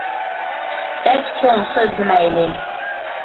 بەك چوڭ سۆزلىمەيلى ،